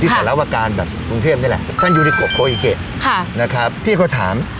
ที่สารวักการณ์แบบกรุงเทพนี่แหละท่านค่ะนะครับพี่เขาถามอืม